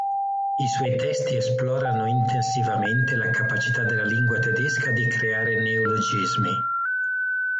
I suoi testi esplorano intensivamente la capacità della lingua tedesca di creare neologismi.